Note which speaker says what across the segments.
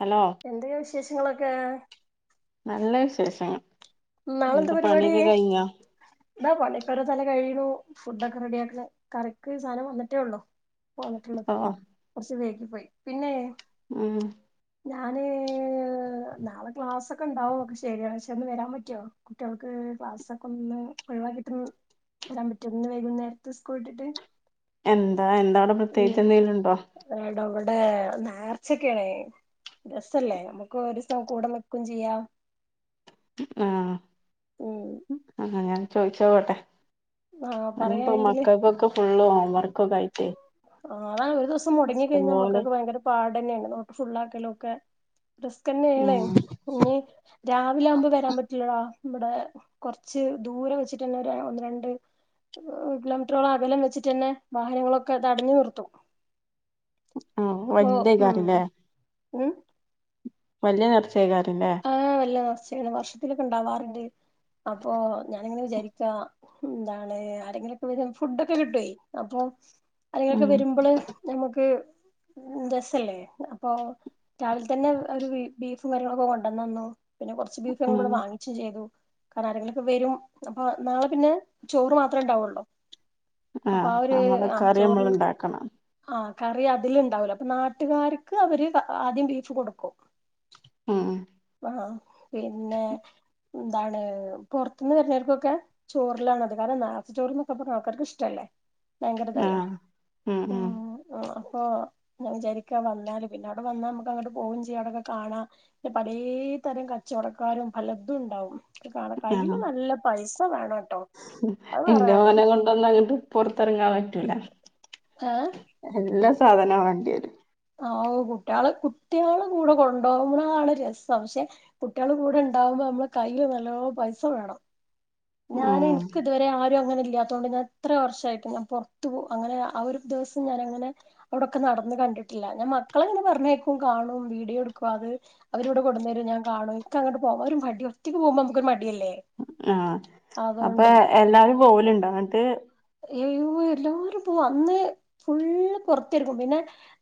Speaker 1: Hello
Speaker 2: എന്തൊക്കെയാ വിശേഷങ്ങളൊക്കെ
Speaker 1: നല്ല വിശേഷങ്ങ
Speaker 2: നാളെന്താ പരിപാടി ഇന്താ പണിപ്പര തല കഴിയണു ഫുഡൊക്കെ റെഡിയാക്കണ കറിക്ക് സാധനം വന്നിട്ടേ ഉള്ളൂ പോന്നിട്ടുള്ളത്
Speaker 1: ഓ
Speaker 2: കുറച്ചു വൈകി പോയി പിന്നെ
Speaker 1: ആഹ
Speaker 2: ഞാന് നാളെ ക്ലാസ്സൊക്കെ ഉണ്ടാവുംക്കെ ശരിയാ പക്ഷെ ഒന്ന് വരാൻ പറ്റ പറ്റോ കുട്ടികൾക്ക് ക്ലാസ് ഒക്കെ ഒന്ന് ഒഴിവാക്കിട്ടന്ന് വരാൻ പറ്റുമന്ന് വൈകുന്നേരത്തെ സ്കൂൾ ഇട്ടിട്ട്
Speaker 1: എം എന്താ അവിടെ പ്രത്യേകിച്ച് എന്തെങ്കലുണ്ടോ
Speaker 2: എടാ ഇവിടെ നേർച്ചൊക്കെയണ രസല്ലേ നമ്മുക്ക് ഒരുസം കൂട നിക്കു ചെയ്യാം ഉം
Speaker 1: ആഹ ആ ഞാൻ ചോദിച്ച നോക്കട്ടെ
Speaker 2: ആ
Speaker 1: അതിപ്പോ
Speaker 2: പറയാണെങ്കില്
Speaker 1: മക്കൾക്കൊക്കെ ഫുള്ള് ഓ വർക്കൊക്കെ ആയിട്ടെ
Speaker 2: ഓണാവൂ ഒരു ദിവസം മുടങ്ങിക്കഴിഞ്ഞാൽ മക്കൾക്ക് ഭയങ്കര പാട ടെന്നേണ് നോട്ട് ഫുള്ളാക്കലൊക്കെ റിസ്ക്കെന്നേണ്
Speaker 1: ഉം
Speaker 2: ഇഞ്ഞി രാവിലെ ആവുമ്പവരാൻ പറ്റില്ലടാ ഇവിടെ കൊർച്ച് ദൂരം വെച്ചിട്ടന്നെ ഒര് ഒന്ന് രണ്ട് കിലോമീറ്ററോളം അകലം വെച്ചിട്ടന്നെ വാഹനങ്ങളൊ ക്കെ തടഞ്ഞു നിർത്തും
Speaker 1: ആ വല്ല്യ [unintelligible]
Speaker 2: ഏ
Speaker 1: വല്യ നേർച്ച ഏക്കാരെ ല്ലേ
Speaker 2: ചെല വർഷത്തിലൊക്കെ ഇ ണ്ടാവാറുണ്ട്. അപ്പൊ ഞാന് ഇ ങ്ങനെ വിചാരിക്കാ എന്താണ് ആരെങ്കിലും ഒക്കെ വരുവാണെ ഫുഡ ഒക്കെ കിട്ടോ അപ്പൊ ആരെങ്കിലും ക്കെ
Speaker 1: ഉം
Speaker 2: വരുമ്പോള് നമുക്ക് രസല്ലേ അപ്പൊ രാവിലെ തന്നെ ഒരു ബീഫും കാര്യങ്ങളൊക്കെ കൊണ്ട ന്നന്നു പിന്നെ കൊർച്ച് ബീഫ് ഞങ്ങള്
Speaker 1: ഉം
Speaker 2: ഇവിടെ വാങ്ങിച്ചു ചെയ്തു. കാരണം ആരെങ്കിലൊക്കെ വരും. അപ്പൊ നാളെ പിന്നെ ചോറ് മാത്രേ ഉണ്ടാവുള്ളൂ. അപ്പൊ
Speaker 1: ആഹ
Speaker 2: ആ ഒരു
Speaker 1: അങ്ങനെ
Speaker 2: ആ
Speaker 1: കറി
Speaker 2: ചോറിൽ
Speaker 1: അമ്മള് ണ്ടാക്കണം.
Speaker 2: ആ കറി അതില് ഇണ്ടാവല്ലോ അപ്പൊ നാട്ടുകാർക്ക് അവര് പ ആദ്യം ബീഫ് കൊടുക്കും
Speaker 1: ആ
Speaker 2: അഹ് പിന്നെ എന്താണ് പൊറത്ത്ന്ന് വരുന്നവർക്കൊക്കെ ചോറിലാണ് അത് കാരണം നേർച് ചോറൊക്കെ പറ്ന്ന ആൾക്കാർക്ക് ഇഷ്ടല്ലേ ഭയങ്കരതെല്ല
Speaker 1: ആഹ്
Speaker 2: ഉം ആഹ് അപ്പൊ ഞാചാരിക്ക വന്നാല് പിന്നെ അവ്ടെ വന്നാ നമുക്ക് അങ്ങോട്ട് പോവും ചെയ്യാം അതൊക്കെ കാണാ ന്റെ പലേ തരം കച്ചവടക്കാരും പലതുണ്ടാവും ക്കെകാണ കഴിയുമ്പോ നല്ല പൈസ ഇപ്പൊ വേണോ
Speaker 1: ഉം ന്റെ മോനെ കൊണ്ടൊന്നുങ്ങട്ട് പൊറ്ത്തറങ്ങാന് പറ്റൂല
Speaker 2: ഏഹ്
Speaker 1: എല്ലാ സ് സാധനാ വേണ്ട്യേരു
Speaker 2: ആവ് കുട്ട്യാള് കുട്ട്യാളെ കൂടെ കൊണ്ടോവ്മ്പളാണ് രസം പക്ഷെ കുട്ടികള് കൂടെ ഉണ്ടാവുമ്പോ നമ്മള് കയ്യിയില് നല്ലോ പൈസ വേണം ഞാൻ
Speaker 1: ഉം
Speaker 2: എനിക്കതുവരെ ആരും അങ്ങനെ ഇല്ലാത്തോണ്ട് ഞാൻ എത്ര വർഷമായിട്ട് ഞാൻ പുറത്തു പോകു അങ്ങനെ ആ ഒരു ദിവസം ഞാനങ്ങനെ അവിടൊക്കെ നടന്ന് കണ്ടിട്ടില്ല ഞാൻ മക്കള അങ്ങനെ പറഞ്ഞേക്കും കാണും വീഡിയോ എടുക്കും അത് അവരിവിടെ കൊണ്ടൊന്നു തരും ഞാൻ കാണും ക്കങ്ങോട്ട് പോക അവ ഒരു മടി ഒറ്റയ്ക്ക് പോവുമ്പോ നമുക്കൊരു മടിയല്ലേ
Speaker 1: ആഹ് അപ്പൊ
Speaker 2: അതുകൊണ്ടേ
Speaker 1: എല്ലാരും പോവലുണ്ടോ അങ്ങട്ട്‌
Speaker 2: യു യൂ വെ എല്ലാവരുപ്പവന്ന് ഫുള്ള് പൊറ്ത്തിരിക്കും പിന്നെ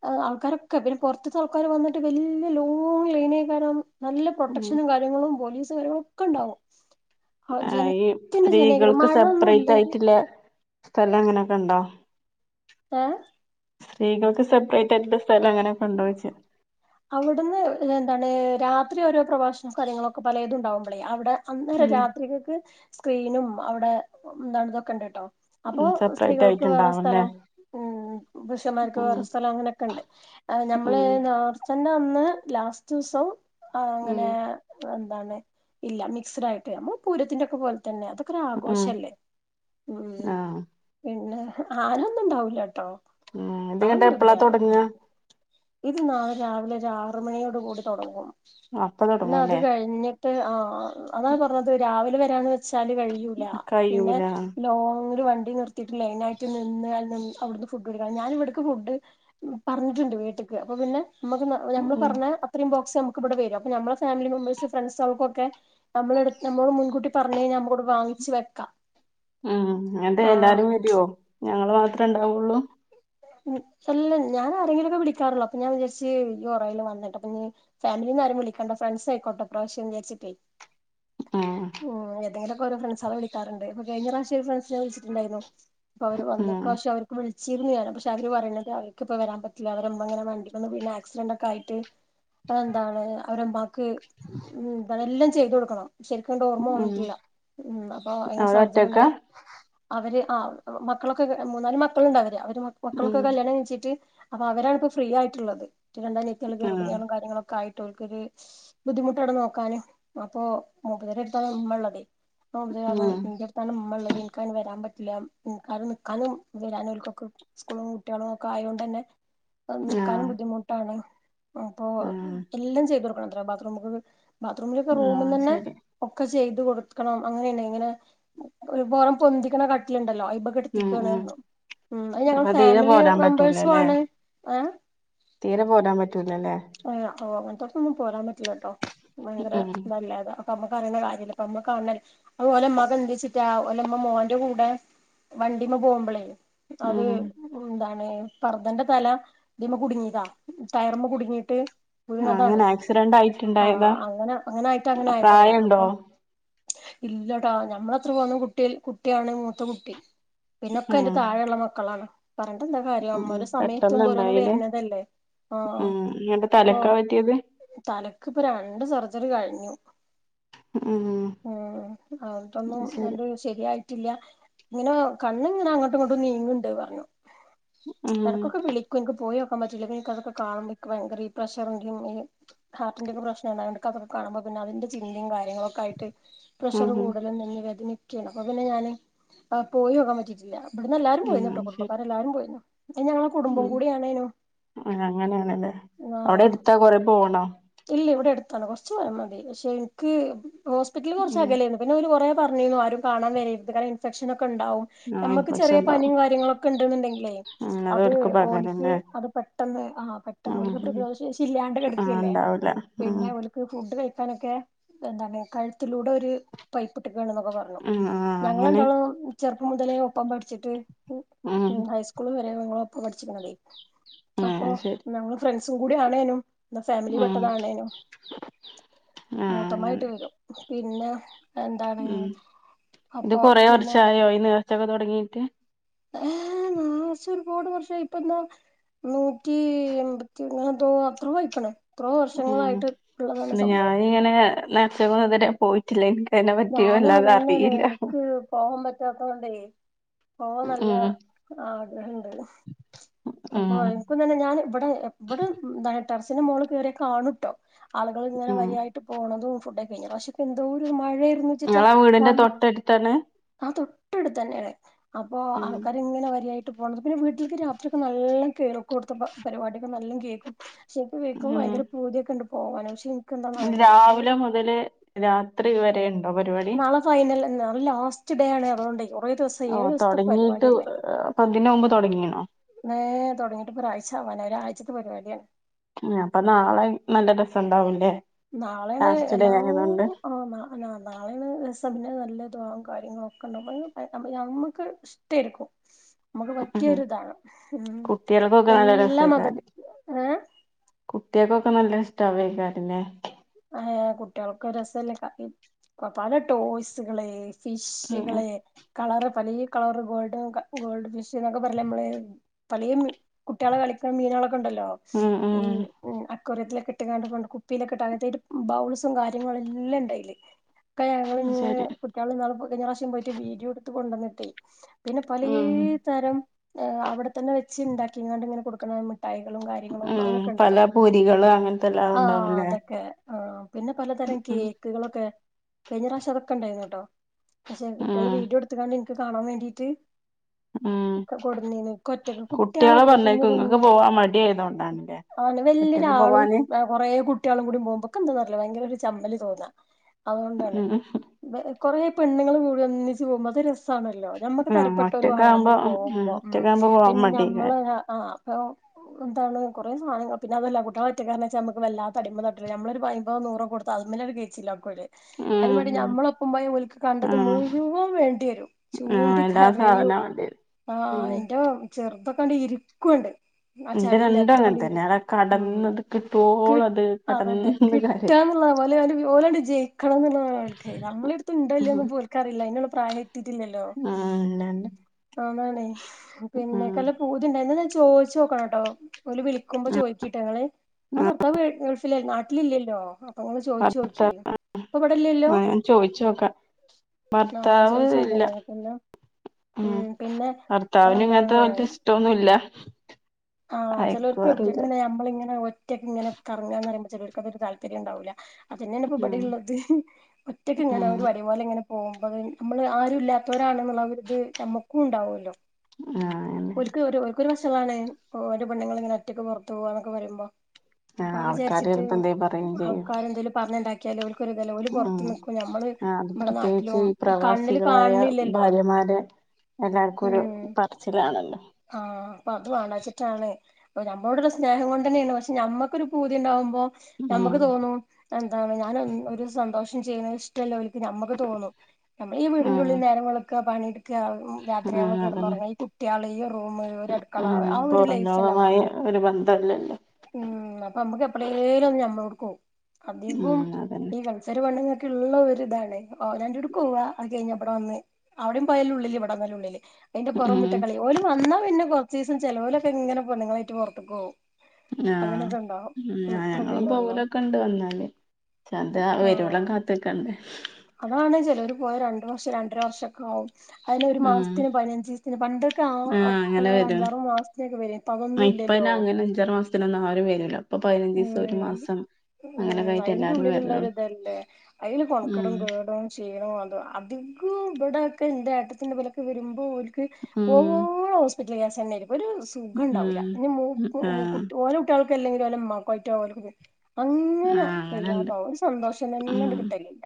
Speaker 2: ആ ആൾക്കാരൊക്കെ പിന്നെ പൊറ്ത്ത്ത്തെ ആൾക്കാര് വന്നിട്ട് വല്ല്യ ലോങ്ങ് ലൈനക്കാരം നല്ല
Speaker 1: ഉം
Speaker 2: പ്രൊട്ടക്ഷനും കാര്യങ്ങളും പോലീസും കാര്യങ്ങളൊക്കെണ്ടാവും ആ ജന
Speaker 1: ഈ സ്ത്രീകൾക്ക് സെപ്പറേറ്റ് ആയിട്ടില്ല സ്ഥലം എങ്ങനെയൊക്കണ്ടോ
Speaker 2: ഏ
Speaker 1: സ്ത്രീകൾക്ക് സെപ്പറേറ്റ് ആയിട്ടുള്ള സ്ഥലം എങ്ങനെ
Speaker 2: അവിടുന്ന് [unintelligible] എന്താണ് രാത്രി ഓരോ പ്രഭാഷണവും കാര്യങ്ങളൊക്കെ പലതും ഇണ്ടാവുമ്പളേ അവിടെ അന്നേരം
Speaker 1: ഉം
Speaker 2: രാത്രികക്ക് സ്ക്രീനും അവിടെ എന്താണ് ഇതൊക്കണ്ട്ട്ടോ അപ്പൊ
Speaker 1: ഉം സെപ്പറേറ്റ്
Speaker 2: സ്ത്രീകൾക്ക് വേറെ
Speaker 1: ആയിട്ടുണ്ടാവുംല്ലേ
Speaker 2: സ്ഥലഉം പുരുഷന്മാർക്ക്
Speaker 1: ഉം
Speaker 2: വേറെ സ്ഥലം അങ്ങനെയൊക്കെ ഇണ്ട് ആ നമ്മളെ
Speaker 1: ഉം
Speaker 2: നേർച്ച ഇന്ന് ഒന്ന് ലാസ്റ്റൊസം ആഹ് അങ്ങനെ കാണെ ഇല്ല മിക്സഡ് ആയിട്ട് നമ്മ പൂരത്തിന്റെ ഒക്കെ പോ തന്നെ അതൊക്കെ
Speaker 1: ഉം
Speaker 2: ആഘോഷല്ലേ ഉം
Speaker 1: ആഹ്
Speaker 2: പിന്നെ ഹ് ആനൊന്നുണ്ടാവുലട്ടോ
Speaker 1: ഉം ഇത് കണ്ട്എപ്പളാ തൊടങ്ങാ
Speaker 2: ഇത് നാളെ രാവിലെ ഒരു ആറ് മണിയോട് കൂടി തൊടങ്ങും
Speaker 1: അപ്പ തൊടങ്ങുല്ലേ
Speaker 2: ട്ട് ആ അതാ പറഞ്ഞത് രാവി വരാഞ് വെച്ചാല് കഴിയൂല പിന്നെ
Speaker 1: കയ്യൂല
Speaker 2: ലോങ്ങ്‌ വണ്ടി നിർത്തിയിട്ട് ലൈനായിട്ട് നിന്ന് അവിടുന്ന് ഫുഡ്‌ വേടിക്കണം ഞാൻ ഇവിടക്ക് ഫുഡ് പറഞ്ഞിട്ടുണ്ട് വി തിക്ക് അപ്പൊ പിന്നെ നമ്മുക്ക് ഞമ്മള്
Speaker 1: ഉം
Speaker 2: പറഞ്ഞ അത്രയും പോ ഫ്രണ്ട്സ് നമുക്ക് ഇവിടെ വരും. അപ്പോ നമ്മള ഫാമിലി മെമ്പേഴ്സ് ഫ്രണ്ട്സാൾക്കൊക്കെ നമ്മളിവിടെ നമ്മൾ മുൻകുട്ടി പറഞ്ഞ് കഴ്ഞ്ഞാ നമ്മുക്ക് ഇവടെ വാങ്ങിച്ചു വെക്കാ
Speaker 1: ആ ആണ്ടേ എല്ലാരും വരുവോ ഞങ്ങള് മാത്ര്ണ്ടാവുള്ളൂ
Speaker 2: ഉം അല്ല ഞാൻ ആരെങ്കിലൊക്കെ വിളിക്കാറുള്ളോ അപ്പ ഞാൻ വിചാരിച്ച് നീ കൊറേയായല് വന്നിട്ട് അപ്പൊ ഫാമിലിന്നാരും വിളിക്കാണ്ട ഫ്രണ്ട്സ് ആയിക്കോട്ടെ ഇ പ്രാവശ്യംന്ന് വിചാരിച്ചിട്ടെ.
Speaker 1: ആഹ്
Speaker 2: ഓര ഫ്രണ്ട്സ് ആളെ വിളിക്കാറുണ്ട്. കഴിഞ്ഞ പ്രാവശ്യം ഫ്രണ്ട്സ്നാ വിളിച്ചിട്ടുണ്ടായിരുന്നു. ഇപ്പം അവര് വന്ന് ഇ
Speaker 1: ഉം
Speaker 2: പ്രാവിശ്യം അവർക്ക് വിളി ശീതു ഞാനാ പക്ഷെ അവര് പറയണന്നത് അവർക്ക് ഇപ്പോ വരാൻ പറ്റില്ല അവരുമ്മ ഇങ്ങനാ വണ്ടിമേന്ന് വീണ് ആക്സിഡന്റ് ഒക്കെ ആയിട്ട് അത് എന്താണ് അവര് ഉമ്മാക്ക് എന്താണ് എല്ലാം ചെയ്തു കൊടുക്കണം ശെരി ശരിക്കും ഓർമ്മ
Speaker 1: ഉം
Speaker 2: വന്നിട്ടില്ല ഉം അപ്പം അങ്ങനെ
Speaker 1: അവര്
Speaker 2: സർജറി
Speaker 1: ഒറ്റക്കാ
Speaker 2: ഉണ്ടായി അവര് ആ മക്കളൊക്കെ മൂന്നാല് മക്കള്ണ്ട് അവര് അവര് മക്കളൊക്കെ
Speaker 1: ഉം
Speaker 2: കല്യാണം കൈച്ചിട്ട് അപ്പൊ അവരാണിപ്പ ഫ്രീ ആയിട്ടുള്ളത് രണ്ട് അനിയത്തികൾ
Speaker 1: ആഹ്
Speaker 2: ഗർഭിണികളും കാര്യങ്ങളൊക്കായി ട്ടോൾക്കൊരു ശ് ബുദ്ധിമുട്ടാടാ നോക്കാന് അപ്പൊ മുപത്തി എടുത്താ ഉമ്മള്ളത് അപ്പൊ മുപത്തിപറഞു
Speaker 1: ഉം
Speaker 2: ന്റെടുത്താണ് ഉമ്മള്ളത് എനിക്കാന് വെരാൻ പറ്റില്ല നിക്കാനും നിക്കാനും വരാനും ഓൾക്കൊക്ക സ്കൂളും കുട്ടികളും ഒക്കെ ആയോണ്ടന്നെ വന്ന് നിക്കാനും
Speaker 1: ആഹ്
Speaker 2: ബുദ്ധിമുട്ടാണ് അപ്പൊ
Speaker 1: ആഹ്
Speaker 2: എല്ലാം ചെയ്തൊടുക്കണം എത്ര ബാത്റൂം ക്കെ ബാത്റൂമിലൊക്കെ
Speaker 1: ആഹ്
Speaker 2: റൂംമ്ന്ന്ന്നെ
Speaker 1: ശരി
Speaker 2: ഒക്കെ ചെയ്തു കൊടുക്കണം അങ്ങന ഇങ്ങനെ പൊറം പൊന്തിക്ക കട്ടിലുണ്ടല്ലോ
Speaker 1: ഉം
Speaker 2: ഇപകടത്തികാണ്
Speaker 1: ഉം
Speaker 2: ഉം അ ഞങ്ങൾ
Speaker 1: അപ്പൊ തീരെ
Speaker 2: ഫാമിലി
Speaker 1: പോരാൻ
Speaker 2: മെമ്പേഴ്സും
Speaker 1: പറ്റൂലല്ലേ
Speaker 2: ആണ് ആ
Speaker 1: തീരെ പോരാൻ പറ്റൂലല്ലേ
Speaker 2: തൊട്ടന്ന് പോരാൻ പറ്റില്ലാട്ടോ ഭയങ്കര
Speaker 1: ഉം
Speaker 2: നല്ലാതാ അപ്പ അമ്മക്ക് അറിയുന്ന കാര്യല്ല. അപ്പ അമ്മ കാണ് ണല്ലേ അ ഓലമ്മാക്ക് എന്ത്‌ച്ചിട്ടാ ഓലമ്മ മോന്റെ കൂടെ വണ്ടിമ്മ പോവ്മ്പളേ അത്
Speaker 1: ഉം
Speaker 2: ന്താ പർദ്ന്റെ തല ഇതിമ്മേ കുടുങ്ങീതാ ടയറ്മ്മെ കുട്ങ്ങീട്ട്. വീണതാണ്.
Speaker 1: അങ്ങനെ ആക്സിഡന്റ്
Speaker 2: ആ
Speaker 1: ആയിട്ടുണ്ടായതാ
Speaker 2: അങ്ങനെ അങ്ങനൊയിട്ട് അങ്ങനെ ആയതാണ്.
Speaker 1: പ്രായണ്ടോ
Speaker 2: അപ്പൊ ഇല്ലടാ ഞ നമ്മളത്ര പോന്ന കുട്ടി കുട്ടിയാണ് മൂത്ത കുട്ടി. പിന്നെക്കെ അയ്ന്റെ
Speaker 1: ഉം
Speaker 2: താഴെള്ള മ ക്കളാണ്. പർ എന്താ കാര്യം
Speaker 1: ഉം
Speaker 2: ഒര് സമയത്തുമ്പോ ഓരോന്ന്
Speaker 1: പെട്ടെന്നുണ്ടായില്ലേ
Speaker 2: വെര്ന്നതല്ലേ ആ
Speaker 1: ഉം എന്നിട്ട്
Speaker 2: അപ്പൊ
Speaker 1: തലക്കാ പറ്റിയത്
Speaker 2: തലക്ക് ഇപ്പ രണ്ട് സർ സർജറി കഴിഞ്ഞു-
Speaker 1: ഉം
Speaker 2: ഉം അട്ടൊന്നും
Speaker 1: ശരി
Speaker 2: നല്ലൊരു ശരിയായി ട്ടില്ലാ ഇങ്ങനെ കണ്ണ് ഇങ്ങനെ അങ്ങോട്ടും ഇങ്ങോട്ടും നീങ്ങും- എന്ത് പറഞ്ഞു-
Speaker 1: ഉം
Speaker 2: എടക്കൊക്കെ വിളിക്കും എക്ക് പോയോ- ആ പറ്റില്ലെഏനിക്ക്അക്കൊ കാണുമ്പോ ഭയങ്ക ഈ പ്രഷർങ്ക ഈ ഹാർട്ടിന്റെക്കെ പ്രശ്ന ആണ അതൊക്കെ കാണുമ്പോൾന്നെ അതിന്റെ ചിന്തയുംകാര്യങ്ങളൊക്കെആയിട്ട്-
Speaker 1: ഉം
Speaker 2: പ്രഷറും കൂടുതൽ തന്നെ അതിന്- ാണ് അപ്പൊ പിന്നെ ഞാൻ പോയിൊോാൻ പറ്റിട്ടില്ല ഇവിടന്ന്ല്ലരും പോയിരുന്നു ുബക്കാര ലാ പോയി
Speaker 1: ഉ അങ്ങനെയണല്ലേ അവിടെ
Speaker 2: ആഹ്
Speaker 1: എടുത്താ കൊറെ പോണോ
Speaker 2: ഇല്ല ഇവിടെ എടുത്താണ് കൊറച്ച വരം മതി പക്ഷെ എനിക്ക് ഹോസ്പിറ്റല കുച്ച്
Speaker 1: ഉം
Speaker 2: അകലോണ് പിന്നെ ഒരു കുറ പറഞ്ഞ ആരും കാണാ വ ഇാല ഇൻഫെക്ഷൻ ഉണ്ടാവും
Speaker 1: ആഹ്
Speaker 2: നമ്മക്ക്
Speaker 1: ഇൻഫെക്ഷൻ
Speaker 2: ചെറിയ
Speaker 1: ഉണ്ടാവും
Speaker 2: പനിയും കാര്യങ്ങളൊക്കെ ഉണ്ടന്നുണ്ടെങ്കിലേ
Speaker 1: ഉം
Speaker 2: അത്
Speaker 1: ഓൽക്ക്
Speaker 2: ഓലിക്ക്
Speaker 1: പകരുംല്ലേ
Speaker 2: അത് പെട്ടെന്ന് ആ പെട്ടെന്ന്
Speaker 1: ഉം
Speaker 2: ഓലി
Speaker 1: ഉം
Speaker 2: പ്രതിരോധ ശേഷി ഇല്ലാണ്ട്
Speaker 1: ആഹ്
Speaker 2: കിടക്കല്ലേ
Speaker 1: ഉണ്ടാവൂല ഉം
Speaker 2: പിന്നെ അവക്ക് ഫുഡ് ക ാനൊക്കെ എന്താണ് കഴുത്തിലൂടെ ഒരു പൈപ്പ് ഇട്ട ൊക്കെ പറഞ്ഞ
Speaker 1: ഉം ആഹ്
Speaker 2: ഞങ്ങ
Speaker 1: അങ്ങനെ
Speaker 2: എണ്ടാെ മുതലേ ഒപ്പം പഠിച്ചിട്ട് [inaudible] ഉ
Speaker 1: ഉം
Speaker 2: ഉ ഹൈസ്കൂൾ ങ്ങളോ ഒപ്പ പഠിച്ചിക്കണതേ
Speaker 1: ആഹ്
Speaker 2: അപ്പൊ
Speaker 1: അത് ശരി
Speaker 2: നമ്മ ഫ്രണ്ട്സും കൂടി ആണേനും ഫാമിലി
Speaker 1: ഉം
Speaker 2: പതാണേനും
Speaker 1: ആഹ് അങ്ങനെ
Speaker 2: മൂത്തമായിട്ട് വരും പിന്നെ എന്താണ്
Speaker 1: ഉം ഇത്
Speaker 2: അപ്പൊ
Speaker 1: കൊറെ
Speaker 2: പിന്നെ
Speaker 1: വർഷായോ അയിന് തുടങ്ങിയിട്ട്
Speaker 2: ഏഹ് നാസം ഒരുപാട് വർഷമായി ഇപ്പോ എന്താ നൂറ്റി എമ്പത്തി [unintelligible] എന്തോ അത്രേം ആയിരിക്കണ്
Speaker 1: ഉം പിന്നെ ഞാനിങ്ങനെ നേർച്ചക്കോ അതിനോ പോയിട്ടില്ല എനിക്ക്
Speaker 2: ഞാനും അതന്നന്നെ എനിക്ക് പോവാൻ പ ഓ നല്ല
Speaker 1: ഉം
Speaker 2: ആ അപ്പൊ
Speaker 1: ഉം
Speaker 2: എനിക്കും തന്നെ ഞാൻ ഇവിടെ എവിടെ ഇതാ ടെർസിന് മോളിൽ കേറിയ കാണൂട്ടോ ആളുകൾ ഇങ്ങനെ
Speaker 1: ഉം
Speaker 2: വരിയായിട്ട് പോണതും ഫുഡ കഴിഞ്ഞ പ്രശോക്കേ എന്തോര് മഴ ആ
Speaker 1: ഞങ്ങളാ വീടിന്റെ തൊട്ടടുത്താണ്
Speaker 2: ആ തൊട്ടടുത്ത് തന്നെയാണ് അപ്പോ
Speaker 1: ഉം
Speaker 2: ആൾക്കാര് ഇങ്ങനെ വരിയായിട്ട് പോണത് പിന്നെ വീട്ടിലേക്ക് രാത്രിയൊക്കെ നല്ല [unintelligible] കേൾക്കും ഇവിടുത്തെ പരിപാടിയൊക്കെ നല്ലാം കേൾക്കും [unintelligible]
Speaker 1: ഉം
Speaker 2: ഭയങ്കര പൂതിയോക്കെ ഉണ്ട് പോകാനും പക്ഷേ
Speaker 1: രാവിലെ മുതല് രാത്രി വരെ ഉണ്ട്
Speaker 2: നാളെ ഫൈനൽ നാളെ ലാസ്റ്റ് ഡേ ആണ് അതുകൊണ്ടേ കുറേ ദിവസം ഏഴു
Speaker 1: ഓഹ്
Speaker 2: ദിവസത്തെ
Speaker 1: തൊടങ്ങീട്ട്
Speaker 2: പരിപാടില്ലേ
Speaker 1: അപ്പൊ ഇതിന് മുമ്പ് തൊടങ്ങീണോ
Speaker 2: തുടങ്ങിട്ട് ഒരാഴ്ച ആവാ ഒരാഴ്ചത്തെ പരിപാടിയാണ്
Speaker 1: അപ്പൊ നാളെ നല്ല രസം ഉണ്ടാവുല്ലേ
Speaker 2: നാളെയാണ് എല്ലാ ആ നാ നാ നാളെയാണ് രസം പിന്നെ നല്ല കാര്യങ്ങളൊക്കെണ്ടാവും ഞമ്മക്ക് ഇഷ്ടടേക്കും നമുക്ക്
Speaker 1: ഉം
Speaker 2: പറ്റിയൊരിതാണ് ഉം
Speaker 1: കുട്ടികൾക്കൊക്കെ നല്ല
Speaker 2: എല്ലാ മത ഏഹ്
Speaker 1: കുട്ടികക്കൊക്കെ നല്ല ഇഷ്ടവേ കാട്ടിനെ
Speaker 2: ആ കുട്ടികൾക്ക് രസല്ലേ പല ടോയ്സകള്
Speaker 1: ഉം
Speaker 2: ഫിഷുകള് കളറ് പലേ കളറ് ഗോൾഡൻ ക ഗോൾഡ് ഫിഷ് എന്നൊക്കെ പറയില്ലേ നമ്മള് പലേ മീ കുട്ടികളെ കളിക്കണ മീനുകളോ ണ്ടല്ലോ
Speaker 1: ഉം
Speaker 2: ഈ
Speaker 1: ഉം
Speaker 2: അക്വാറിയത്തിലൊക്കെ പിന്നെ അയിനെകൊണ്ട് കുപ്പിലൊക്കെ ഇട്ട് [unintelligible] ബൗൾസും കാര്യങ്ങളും എല്ലാം ഇണ്ടായില് ഒക്കെ ഞങ്ങളിങ്ങെ
Speaker 1: ശരി
Speaker 2: കുട്ടികളിന്നാളിൽ പോയി കഴിഞ്ഞ പ്രവ്ശ്യം പോയിട്ട് വീഡിയോയെടുത്തു കൊണ്ടന്നി [unintelligible] പിന്നെ പലേ
Speaker 1: ഉം
Speaker 2: തരം ഏഹ് ആഹ് അവടെ തന്നെ വെച്ച് ഇണ്ടാക്കിങ്ങാണ്ട്ങ്ങനെ കൊടുക്ക്ണാണ്
Speaker 1: ഉം പല പൊരികളും അങ്ങത്തെല്ലാം
Speaker 2: ആഹ്
Speaker 1: ഉണ്ടാവുല്ലേ
Speaker 2: അതൊക്കെ ആഹ് പിന്നെ പലതരം കേക്ക്കളൊക്കെ കഴിഞ്ഞറാശ്യം അതൊക്കെ ഇണ്ടായിരുന്നുട്ടോ പക്ഷേ കുട്ട്യെള്
Speaker 1: ഉം
Speaker 2: വീഡിയോ ഇട്ത്ത്ക്കാണ്ട് ഇന് ക്ക് കാണാ വേണ്ടീട്ട്
Speaker 1: ഉം
Speaker 2: ഇക്കാ കൊടുന്നീനി ഇക്കൊറ്റക്ക്
Speaker 1: കുട്ടികളെ
Speaker 2: കുട്ട്യാളൊക്കപ്പൊ കുഞ്ഞ്
Speaker 1: പറഞ്ഞേക്കും ഇങ്ങക്ക്
Speaker 2: കുഞ്ഞാ
Speaker 1: പോവാൻ മടിയായതുകൊണ്ടാണല്ലേ
Speaker 2: ആന്നെ
Speaker 1: ഒറ്റക്ക്
Speaker 2: വല്ല്യെരാളും
Speaker 1: പോവാന്
Speaker 2: വാ കൊറേ കുട്ട്യാളും കൂടി പോവുമ്പം ന്താന്നറ്ലാ ഭയങ്കര ഒര് ചമ്മല് തോന്നാ അവോണ്ടാണ്
Speaker 1: ഉം
Speaker 2: ഇബലെ കൊറേ പെണ്ണ്ങ്ങൾ കൂടി ഒന്നിച്ച് പോക്മ്പൊ അതൊര് രസ് സാണല്ലോ ഞമ്മുക്ക്
Speaker 1: ഉം
Speaker 2: തരപ്പെട്ടോരു വേണം നമ്മള്
Speaker 1: ഒറ്റക്കാവുമ്പോ ഉം
Speaker 2: പോകുമ്പോ ഉം
Speaker 1: ഒറ്റക്കാവുമ്പോ പോവാൻ
Speaker 2: പിന്നെ ഞമ്മള്
Speaker 1: മടിയേക്കാരം
Speaker 2: അ ആ അപ്പൊ എന്താണ് കുറേ സാധങ്ങങ്ങള് പിന്നെ അതുവല്ല കുട്ടികള് ഒറ്റക്കാർന്ന് വെച്ചാ നമക്ക് വല്ലാത്ത അടിമ തട്ടല് ഞമ്മളൊരു അയ്മ്പതോ നൂറോ കൊടുത്ത അതിമ്മേല് കയിച്ചില്ലാക്കവര്
Speaker 1: ഉം
Speaker 2: അയിന് വേണ്ടി
Speaker 1: ഉം
Speaker 2: ഞമ്മളൊപ്പം പോയ ഒലക്ക് കണ്ടത്
Speaker 1: ആഹ്
Speaker 2: മുഴുവൻ വേണ്ടി വരും
Speaker 1: ആഹ്
Speaker 2: ചൂണ്ടി
Speaker 1: എല്ലാ
Speaker 2: കരയും
Speaker 1: സാധനം വാണ്ടിവരും
Speaker 2: ആ
Speaker 1: ഉം
Speaker 2: എന്റെ ചെറുതക്കൊണ്ടെ ഇരിക്കുവൊണ്ട്
Speaker 1: എന്റെ രണ്ടും അങ്ങനതന്നെ ക
Speaker 2: ഉം
Speaker 1: കടന്നത്
Speaker 2: കി
Speaker 1: കിട്ടുവോള അത്
Speaker 2: അതന്നെ
Speaker 1: കടന്ന് കരയും
Speaker 2: കിട്ടാന്നുള്ള പോലെ അന്റ്‌ ഓലങ്ങോട്ട് ജയിക്കണംന്നുള്ള ആൾക്കെ നമ്മടടുത്തുണ്ടൊ ഇല്ലയോന്ന്
Speaker 1: ഉം
Speaker 2: ഇപ്പ ഓൾക്കാറില്ല അതിനുള്ള പ്രായ ത്തിട്ടില്ലല്ലോ
Speaker 1: ഉം രണ്ട്
Speaker 2: അതാണെ പിന്നെക്കല്ല
Speaker 1: ഉം
Speaker 2: പൂതിയൊണ്ട് എന്നാന്നു ചോയിച്ച ചോദിച്ചു നോക്കണോട്ടോ ഒല് വിളിക്കുമ്പോ ചോദിക്കിട്ടൊ നിങ്ങള് ആ ഭർത്താ ഗെ ഗൾഫ് ല്ലെ നാ ട്ടിലില്ലല്ലോ
Speaker 1: ഭർത്താവ് അ ഞാൻ ചോയിച്ചു നോക്കാം
Speaker 2: ആ
Speaker 1: ഭർത്താവ്
Speaker 2: ചോദിച്ചു
Speaker 1: ഇല്ല
Speaker 2: നോക്കിയന്നാ പിന്നെ
Speaker 1: ആ
Speaker 2: ഉം പിന്നെ
Speaker 1: ഭർത്താവിന് ഇങ്ങനത്തെ
Speaker 2: എന്താണ്
Speaker 1: വല്ല്യ ഇഷ്ട്ടൊന്നുവില്ല
Speaker 2: ആഹ് ചിലവർക്കൊക്കെ അങ്ങനെ ഞമ്മളിങ്ങനെ ഒറ്റക്കിങ്ങനെ കറങ്ങുകാന്ന് പറയുമ്പോ ചിലോർക്കതൊരു താല്പര്യം ഉണ്ടാവൂല്ല അതന്നെയാണ് ഇപ്പൊ
Speaker 1: ഉം
Speaker 2: ഇബടെ ഉള്ളത് ഒറ്റക്കിങ്ങനെ
Speaker 1: ഉം
Speaker 2: ഒരു വടിപോലെ ഇങ്ങനെ പോവുമ്പ പിൻ. ഞമ്മള് ആരുല്ലാത്തോരാണ്ന്ന് ളാ ഒര്ത് ഞമ്മക്കുണ്ടാവല്ലോ.
Speaker 1: ആഹ്
Speaker 2: ഓൽക്ക്‌ ഒര് ഓൽക്കൊരു വെസ് റ്റ്ളാണ് ഓന്റെ പെണ്ണ്ങ്ങള്ങ്ങനെ ഒറ്റക്ക്‌പൊറത്ത് പോവാന്നൊക്കെ പറിമ്പം.
Speaker 1: ആഹ്
Speaker 2: അഹ്
Speaker 1: ആൾക്കാര്
Speaker 2: ചാര്ച്ച്ട്ട്
Speaker 1: ചെലപ്പോ എന്തേലും പറയും ചെയ്യും
Speaker 2: ആൾക്കാരെന്തേലും പറഞ്ണ്ടാക് കേലോ
Speaker 1: ഉം അത്
Speaker 2: ഇവിടെ
Speaker 1: പ്രത്യേകിച്ച്
Speaker 2: നാട്ടിലും
Speaker 1: ഈ
Speaker 2: കണ്ണില്
Speaker 1: പ്രവാസികളായ
Speaker 2: കാണില്ലല്ലോ
Speaker 1: ഭാര്യമാരെ എല്ലാർക്കുരു
Speaker 2: ഉം
Speaker 1: പറച്ചിലാണല്ലോ
Speaker 2: ആഹ് അപ്പൊ അത് വാണ റ്റാണ് നമ്മോടള്ള സ്നേഹം കൊണ്ടന്നേനു പക്ഷെ നമ്മുക്കൊരു പൂതിയ ഉണ്ടാവുമ്പോ
Speaker 1: ഉം
Speaker 2: നമ്മുക്ക് തോന്നും എന്താ ഞാനൻ ഒരു സന്തോഷം ചെയ്യുന്നത് ഇഷ്ടമല്ല നമുക്ക് തോന്നും നമ്മ ഈ വീടിൻന്റെ
Speaker 1: ഉം
Speaker 2: ഉള്ളിൽ നേരങ്ങളൊക്കെ പണി ക്ക
Speaker 1: ഉം
Speaker 2: രാത്രിയാക കിടന്ന്
Speaker 1: അതന്നെ
Speaker 2: പറഞ്ഞാ ഈ കുട്ടികൾ ഈ റൂ അടുക്കള ആ ഒരു ലൈഫല്ല
Speaker 1: അല്ലാരുമായി
Speaker 2: നമ്മക്ക്
Speaker 1: ഒരു ബന്ധല്ലല്ലോ
Speaker 2: ഉം നമ്മുക്ക് എപ്പഴേലും നമ്മളോട്ക്ക് പോവും അധികവും
Speaker 1: ഉം അതന്നെ
Speaker 2: ഈ കത്സര പണ്ണങ്ങ ഉള്ള ഒരി ഇതാണ് അപ്പൊ അവനാന്റോട് ക്കോവ പോവാുക അത് കഴിഞ്ഞ ഇബിടെ വന്ന് അവിടെയും പോയാല ഉള്ളില് ഇവിടെന്നല്ല ഉള്ളില് അതിന്റെ
Speaker 1: ഉം
Speaker 2: പുറംമുട്ട കളി ഓല വന്നു പിന്നെ കൊ സീസൻ ചിലലോല ഇങ്ങനെ പോ നിങ്ങളായിട്ട് പുറത്തു കോവും
Speaker 1: ആഹ് ഞങ്ങളും
Speaker 2: അത്രക്കല്ലേ ഒള്ളൂ
Speaker 1: പോവലൊക്കെ ഇണ്ട് വന്നാല് പ അത് വരുവളം
Speaker 2: ആഹ്
Speaker 1: കാത്ത്ക്കണ്ടേ
Speaker 2: അതാണ് ചിലവർ പോയ രണ്ടു വർഷം രണ്ടര വർഷംക്കെ ആകും അതിനെ ഒരു
Speaker 1: ഉം
Speaker 2: മാസത്തിനന് പതിനഞ്ച് ദിവസത്തിന് പണ്ടൊക്കെ
Speaker 1: ആഹ് അങ്ങനെ
Speaker 2: ആ
Speaker 1: വരും
Speaker 2: അഞ്ചാറ മാസത്തിനൊക്കെ വരനി ഇപ്പോ
Speaker 1: ഇപ്പ
Speaker 2: അതൊന്നുംല്ലല്ലോ.
Speaker 1: അയ്ന് അങ്ങനെ അഞ്ചാറ് മാസത്തിനൊന്നും ആരും വരൂല ഇപ്പൊ പതിനഞ്ചീസം ഒരു
Speaker 2: ഉം
Speaker 1: മാസം
Speaker 2: ഉ
Speaker 1: അങ്ങനൊക്കെ ആയിട്ട്
Speaker 2: അയിന്റെ
Speaker 1: എല്ലാരും
Speaker 2: ഉള്ളിലുള്ളരു
Speaker 1: വരലൊള്ളൂ
Speaker 2: ഇതല്ലേ അതിൽ
Speaker 1: ഉം
Speaker 2: കൊണക്കടും കേടും ക്ഷീണം അതോ അത് ഇവട ഒക്കെ എന്റെ ഏട്ടത്തിന്റെബലൊക്കെ വരുമ്പോ ഓല്
Speaker 1: ഉം
Speaker 2: പോവോളം ഹോസ്പി ഇല കേസ് [unintelligible] ഒരു സുഖം ഉണ്ടാവുല്ല
Speaker 1: ഉം
Speaker 2: ഓനെ
Speaker 1: ആഹ്
Speaker 2: കുട്ടിഓൾക്കന്നെ ക്കലമ്മ കട്ടെ [unintelligible] അങ്ങനെ
Speaker 1: ആഹ് അങ്ങനെണ്ട്
Speaker 2: വെയ്യാതാകും ഒരു സന്തോഷം തന്നെ
Speaker 1: ഉം
Speaker 2: കിട്ടലില്ല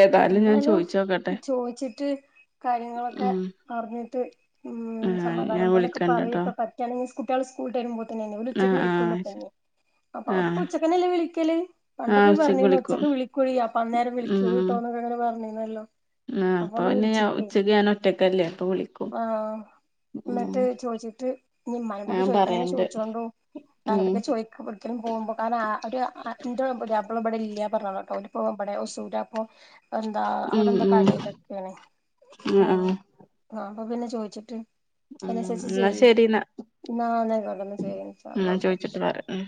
Speaker 1: ഏതായാലും ഞാൻ
Speaker 2: എന്നാലും
Speaker 1: ചോയിച്ചോക്കട്ടെ
Speaker 2: ചോദിച്ചിട്ട് കാര്യങ്ങളൊക്കെ
Speaker 1: ഉം
Speaker 2: അറിഞ്ഞിട്ട് ഉം
Speaker 1: ആഹ്
Speaker 2: സമാദാനം
Speaker 1: ഞാൻ
Speaker 2: പോലെക്കെ
Speaker 1: വിളിക്കണ്ട്ട്ടോ
Speaker 2: പറയിപ്പോ പറ്റയാണെിങ്കി കുട്ടിആളു സ്കൂൾട്ട വരുമ്പോ തന്നെന്തെ ഉച്ചക്ക്
Speaker 1: ആഹ് ആഹ് ശരി
Speaker 2: വിളിക്കുമല്ലോ അപ്പൊ അപ്പ
Speaker 1: ആഹ്
Speaker 2: ഉച്ചക്കനെല്ലേ വിളിക്കല്
Speaker 1: ആഹ്
Speaker 2: പണ്ടൊക്കെ പറഞ്ഞിന്ന്
Speaker 1: വിളിക്കും
Speaker 2: ഉച്ചക്ക് വിളിക്കൊ അന്നേരം വിളിക്കത് ട്ടോന്നൊക്കെ അങ്ങനെ പറഞ്ഞ മല്ലോ
Speaker 1: ആ അപ്പ പിന്നെ ഞ ഉച്ചക്ക് ഞാൻ ഒറ്റക്കല്ലേ അപ്പൊ വിളിക്കും
Speaker 2: ആഹ്
Speaker 1: ഉം
Speaker 2: എന്നിട്ട് ചോദിച്ചിട്ട് ഇനി
Speaker 1: ആ പറയണ്ട് ഉം
Speaker 2: കടക്കെ ചോദിക്കൊഒടുക്കേലും പോകുമ്പോ കാരണം ആ ളും ഇവിടെ ഇല്ല പറഞ്ഞോളോട്ടോ അവപ്പോമ്മടെ സൂര്പ്പ എന്താ
Speaker 1: ഉം
Speaker 2: അവിടെ എന്താ
Speaker 1: ഉം
Speaker 2: കടയിലൊക്കെയാണ് ആ
Speaker 1: ആഹ് ആഹ്
Speaker 2: അ പിന്നെ ചോദിച്ചിട്ട്
Speaker 1: ഉം
Speaker 2: അനുസരിച്ചച്ച്
Speaker 1: എന്നാ
Speaker 2: ചെയ്യ
Speaker 1: ശരി എന്നാ
Speaker 2: നന്നെ കൊണ്ടന്ന് ചെയരാർ
Speaker 1: ച്ചിട്ട് വ ഉ